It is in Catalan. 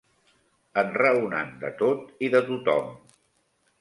Enraonant de tot i de tot-hom